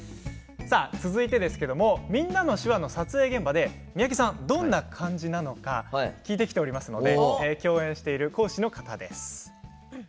続いてですけれども「みんなの手話」の撮影現場で三宅さん、どんな感じなのか聞いてきておりますので共演している講師の方です。